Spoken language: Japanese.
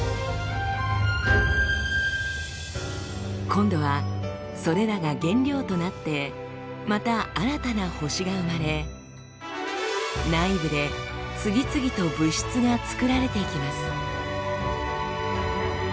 今度はそれらが原料となってまた新たな星が生まれ内部で次々と物質が作られていきます。